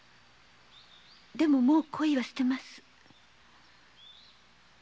でももう恋は捨てます。